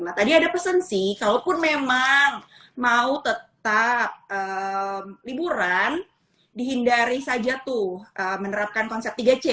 nah tadi ada pesan sih kalaupun memang mau tetap liburan dihindari saja tuh menerapkan konsep tiga c